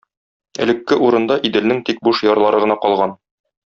Элекке урында Иделнең тик буш ярлары гына калган.